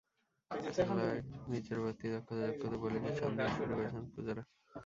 খেলায় নিজের বাড়তি দক্ষতা যোগ করতে বোলিংয়ে শাণ দিতে শুরু করেছেন পূজারা।